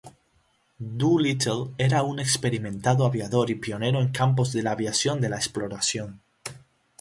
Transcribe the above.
Doolittle era un experimentado aviador y pionero en campos de la aviación de exploración.